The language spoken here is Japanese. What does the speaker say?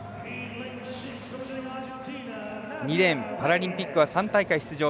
２レーンパラリンピックは３大会出場